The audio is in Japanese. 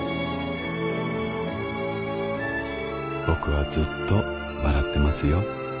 僕はずっと笑ってますよ